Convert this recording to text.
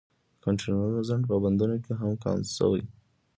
د کانټینرونو ځنډ په بندرونو کې کم شوی